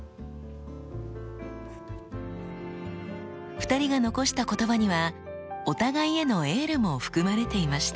２人が残した言葉にはお互いへのエールも含まれていました。